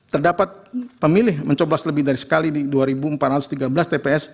terdapat pemilih mencoblos lebih dari sekali di dua empat ratus tiga belas tps